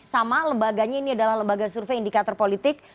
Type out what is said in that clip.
sama lembaganya ini adalah lembaga survei indikator politik